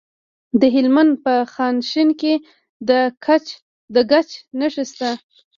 د هلمند په خانشین کې د ګچ نښې شته.